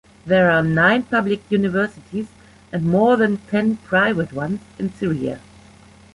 There are nine public universities and more than ten private ones in Syria.